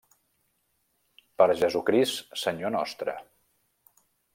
Per Jesucrist, Senyor nostre.